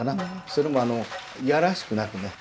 それもあの嫌らしくなくね。